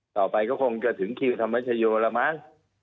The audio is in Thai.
ต่อไปก็คงจะถึงคิวธรรมชโยแล้วมั้ง